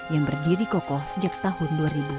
yang berdiri kokoh sejak tahun dua ribu